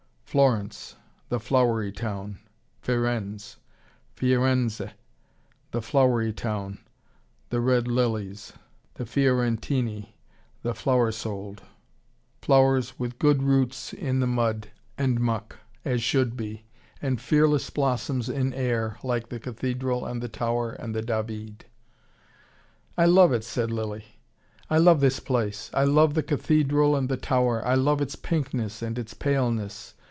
Florence, the flowery town. Firenze Fiorenze the flowery town: the red lilies. The Fiorentini, the flower souled. Flowers with good roots in the mud and muck, as should be: and fearless blossoms in air, like the cathedral and the tower and the David. "I love it," said Lilly. "I love this place, I love the cathedral and the tower. I love its pinkness and its paleness.